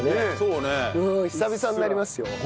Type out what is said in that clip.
うん久々になりますよ。